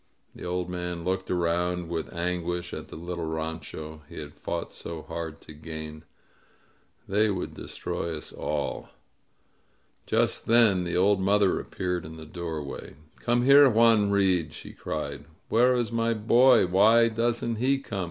The old man looked around with anguish at the little rancho he had fought so hard to gain. "They would destroy us all." Just then the old mother appeared in the doorway. "Come here, Juan Reed," she cried. "Where is my boy? Why doesn't he come?